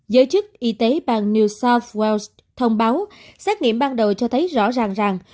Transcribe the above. giới chức y tế bang new south wales thông báo xét nghiệm ban đầu cho thấy rõ ràng ràng